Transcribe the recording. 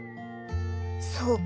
そうか。